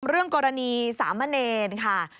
เรื่องกรณีสามเมอร์เนยนค่ะ